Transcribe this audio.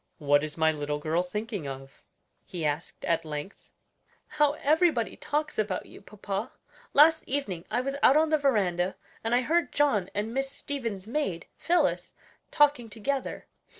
"What is my little girl thinking of?" he asked at length. "How everybody talks about you, papa; last evening I was out on the veranda, and I heard John and Miss Stevens' maid, Phillis, talking together.